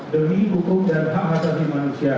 demi hukum dan hak hak hati manusia